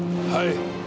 はい。